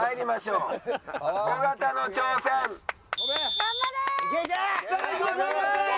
頑張れ！